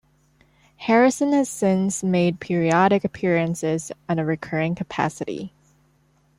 Harrison has since made periodic appearances on a recurring capacity.